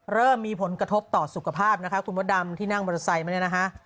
เริ่มมีผลกระทบต่อสุขภาพนะคะคุณพระดำที่นั่งบริษัทไว้นะฮะ